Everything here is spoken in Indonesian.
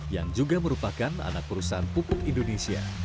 yang juga merupakan anak perusahaan pupuk indonesia